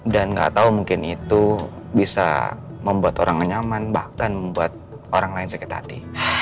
dan gak tahu mungkin itu bisa membuat orangnya nyaman bahkan membuat orang lain sakit hati